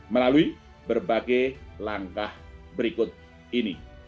melalui berbagai langkah berikut ini